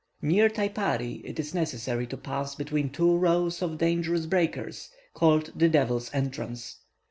Near Taipari it is necessary to pass between two rows of dangerous breakers, called the "Devil's Entrance."